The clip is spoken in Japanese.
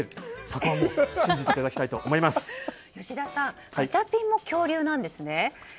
そこはもう吉田さん、ガチャピンも恐竜なんですね。